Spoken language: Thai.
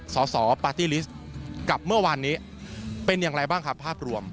สสปาร์ตี้ลิสต์กับเมื่อวานนี้เป็นอย่างไรบ้างครับภาพรวม